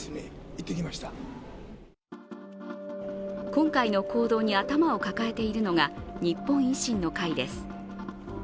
今回の行動に頭を抱えているのが日本維新の会です。